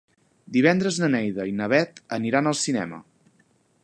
Divendres na Neida i na Bet aniran al cinema.